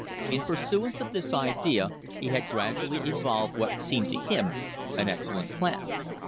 In pursuance of this idea he had gradually evolved what seemed to him an excellent plan.